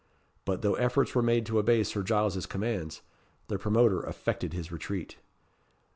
But, though efforts were made to obey Sir Giles's commands, the promoter effected his retreat.